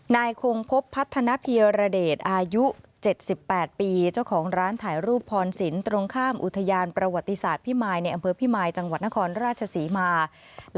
นายคงพบพัฒนภีรเดชอายุ๗๘ปีเจ้าของร้านถ่ายรูปพรศิลป์ตรงข้ามอุทยานประวัติศาสตร์พิมายในอำเภอพิมายจังหวัดนครราชศรีมา